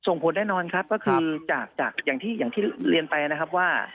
ส่งผลแน่นอนครับก็คืออย่างที่เรียนไปนะครับว่า